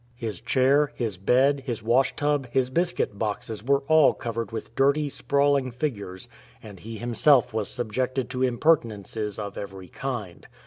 His chair, his bed, his wash tub, his biscuit boxes were all covered with dirty, sprawling figures, and he himself was subjected to impertinences of every kind.